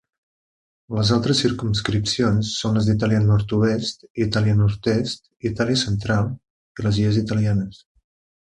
Les altres circumscripcions són les d'Itàlia nord-oest, Itàlia nord-est, Itàlia central i les Illes italianes.